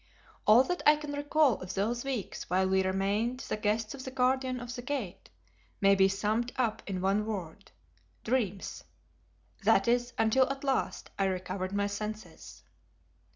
All that I can recall of those weeks while we remained the guests of the Guardian of the Gate, may be summed up in one word dreams, that is until at last I recovered my senses.